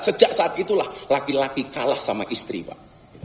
sejak saat itulah laki laki kalah sama istri pak